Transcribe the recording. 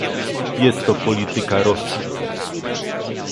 Jest to polityka Rosji